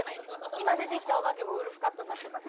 今出てきたお化けもウルフカットになってます。